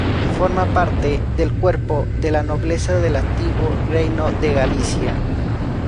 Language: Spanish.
Forma parte del "Cuerpo de la Nobleza del Antiguo Reino de Galicia".